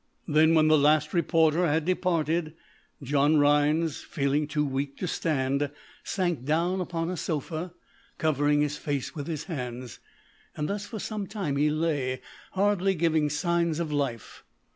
Then, when the last reporter had departed, John Rhinds, feeling too weak to stand, sank down upon a sofa, covering his face with his hands. Thus, for some time he lay, hardly giving signs of life.